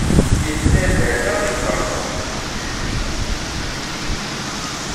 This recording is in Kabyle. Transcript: Yenna-d ala i lbaṭel.